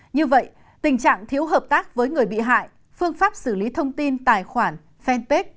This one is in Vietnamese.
như vậy tình trạng thiếu hợp tác với người bị hại phương pháp xử lý thông tin tài khoản fanpage